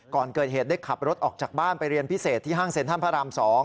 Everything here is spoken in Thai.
ก่อนเกิดเหตุได้ขับรถออกจากบ้านไปเรียนพิเศษที่ห้างเซ็นทรัลพระราม๒